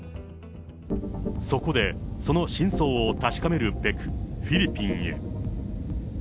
そこで、その真相を確かめるべく、フィリピンへ。